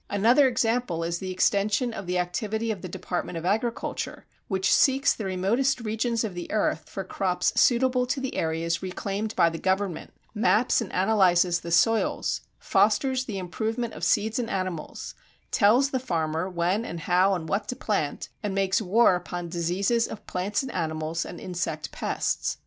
Another example is the extension of the activity of the Department of Agriculture, which seeks the remotest regions of the earth for crops suitable to the areas reclaimed by the government, maps and analyzes the soils, fosters the improvement of seeds and animals, tells the farmer when and how and what to plant, and makes war upon diseases of plants and animals and insect pests.